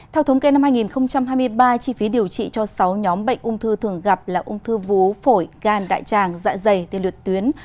theo thống kê năm hai nghìn hai mươi ba chi phí điều trị cho sáu nhóm bệnh ung thư thường gặp là ung thư vú phổi gan đại tràng dạ dày tiền luyện tuyến